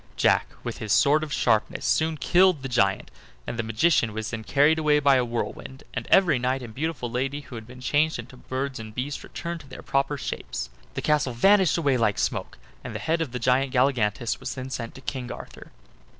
Jack, with his sword of sharpness, soon killed the giant, and the magician was then carried away by a whirlwind; and every knight and beautiful lady who had been changed into birds and beasts returned to their proper shapes. The castle vanished away like smoke, and the head of the giant Galligantus was then sent to King Arthur.